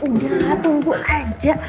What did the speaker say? udah udah tunggu aja